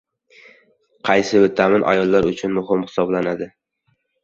Qaysi vitamin ayollar uchun muhim hisoblanadi?